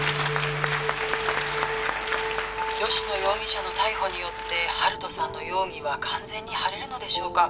吉乃容疑者の逮捕によって温人さんの容疑は完全に晴れるのでしょうか？